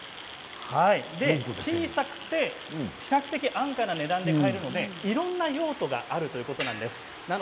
小さくて比較的安価な値段で買えるのでいろんな用途があるということなんです。